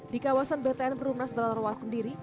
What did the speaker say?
di kawasan btn perumnas balarowa sendiri